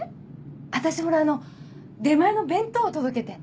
私ほらあの出前の弁当届けて。